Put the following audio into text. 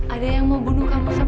ada yang mau bunuh kamu siapa